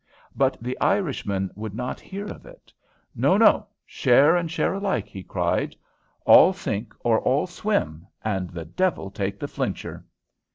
But the Irishman would not hear of it. "No, no, share and share alike," he cried. "All sink or all swim, and the devil take the flincher."